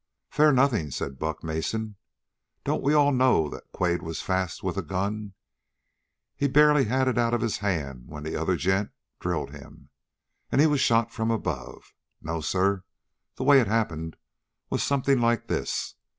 "Fair nothin'," said Buck Mason. "Don't we all know that Quade was fast with a gun? He barely had it out in his hand when the other gent drilled him. And he was shot from above. No, sir, the way it happened was something like this.